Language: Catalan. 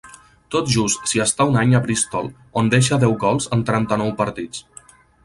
Tot just s'hi està un any a Bristol, on deixa deu gols en trenta-nou partits.